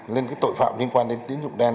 nên cái tội phạm liên quan đến tín dụng đen